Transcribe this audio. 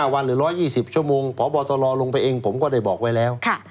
วันหรือ๑๒๐ชั่วโมงพบตรลงไปเองผมก็ได้บอกไว้แล้ว